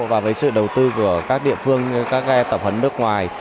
và với sự đầu tư của các địa phương các em tập hấn nước ngoài